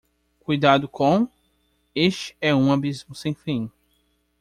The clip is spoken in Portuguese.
Cuidado com? este é um abismo sem fim!